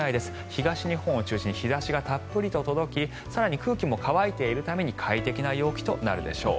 東日本を中心に日差しがたっぷりと届き更に空気も乾いているために快適な陽気となるでしょう。